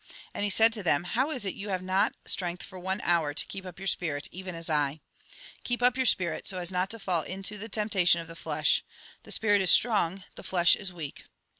And he said to them :" How is it you have not strength for one hour to keep up your spirit, even as I ? Keep up your spirit, so as not to fall into the temptation of the flesh. The spirit is strong, the flesh is weak."